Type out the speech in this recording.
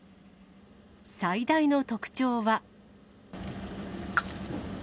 最大の特徴は。